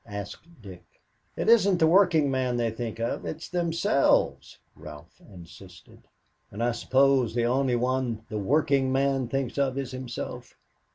asked Dick. "It isn't the working man they think of; it's themselves," Ralph insisted. "And I suppose the only one the working man thinks of is himself.